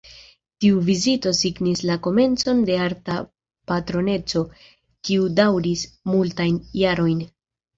Tiu vizito signis la komencon de arta patroneco, kiu daŭris multajn jarojn.